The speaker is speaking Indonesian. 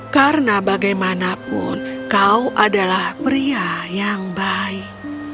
karena bagaimanapun kau adalah pria yang baik